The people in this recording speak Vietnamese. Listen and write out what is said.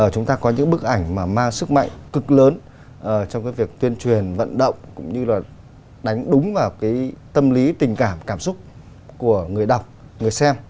chúng ta có những bức ảnh mà mang sức mạnh cực lớn trong cái việc tuyên truyền vận động cũng như là đánh đúng vào cái tâm lý tình cảm cảm xúc của người đọc người xem